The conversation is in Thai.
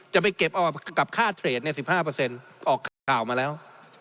จะไปเก็บเอากับค่าเทรด๑๕ออกข่าวมาแล้ว